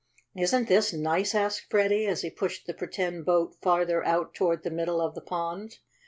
"Isn't this nice?" asked Freddie, as he pushed the pretend boat farther out toward the middle of the pond.